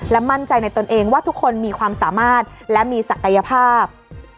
มั่นใจในตนเองว่าทุกคนมีความสามารถและมีศักยภาพ